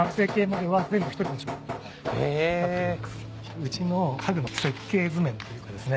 うちの家具の設計図面というかですね。